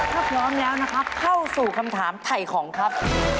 ถ้าพร้อมแล้วนะครับเข้าสู่คำถามไถ่ของครับ